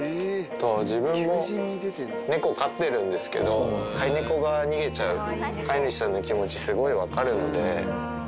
自分も猫を飼ってるんですけど、飼い猫が逃げちゃう、飼い主さんの気持ち、すごい分かるので。